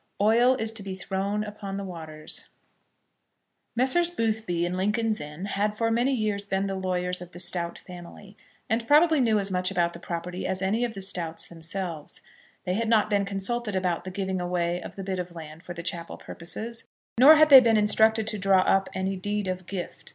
OIL IS TO BE THROWN UPON THE WATERS. Messrs. Boothby in Lincoln's Inn had for very many years been the lawyers of the Stowte family, and probably knew as much about the property as any of the Stowtes themselves. They had not been consulted about the giving away of the bit of land for the chapel purposes, nor had they been instructed to draw up any deed of gift.